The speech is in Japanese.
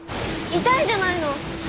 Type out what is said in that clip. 痛いじゃないの。